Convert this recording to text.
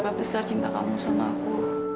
seberapa besar cinta kamu sama aku